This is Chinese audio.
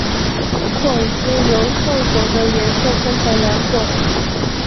种子由瘦果的颜色分成两种。